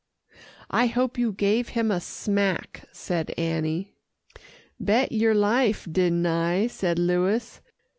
"I hope you gave him a smack," said Annie. "Bet yer life, didn't I," said Louis.